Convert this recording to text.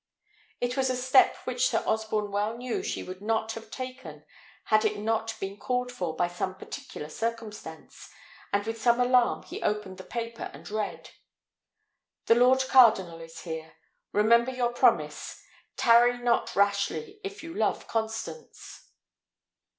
It was a step which Sir Osborne well knew she would not have taken had it not been called for by some particular circumstance, and with some alarm he opened the paper and read The lord cardinal is here: remember your promise. Tarry not rashly, if you love Constance.